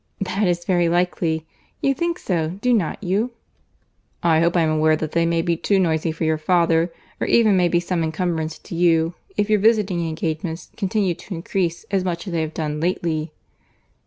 "That is very likely. You think so, do not you?" "I hope I am aware that they may be too noisy for your father—or even may be some encumbrance to you, if your visiting engagements continue to increase as much as they have done lately."